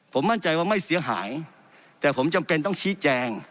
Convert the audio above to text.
ผมมั่นใจว่าไม่เสียหายแต่ผมจำเป็นต้องชี้แจง